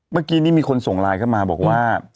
เมื่อกี้นี้มีคนส่งไลน์เข้ามาบอกว่า